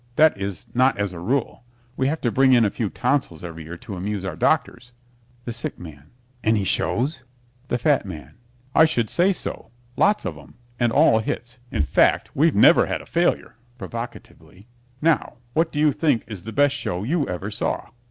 That is, not as a rule. We have to bring in a few tonsils every year to amuse our doctors. THE SICK MAN Any shows? THE FAT MAN I should say so. Lots of 'em, and all hits. In fact, we've never had a failure (provocatively). Now, what do you think is the best show you ever saw?